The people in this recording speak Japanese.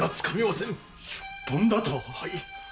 出奔だと⁉はい。